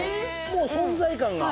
もう存在感が。